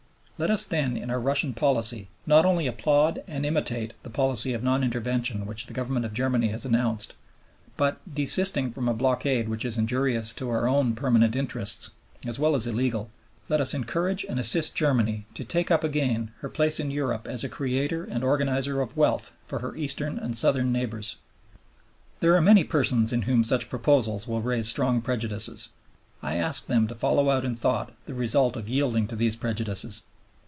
Let us then in our Russian policy not only applaud and imitate the policy of non intervention which the Government of Germany has announced, but, desisting from a blockade which is injurious to our own permanent interests, as well as illegal, let us encourage and assist Germany to take up again her place in Europe as a creator and organizer of wealth for her Eastern and Southern neighbors. There are many persons in whom such proposals will raise strong prejudices. I ask them to follow out in thought the result of yielding to these prejudices.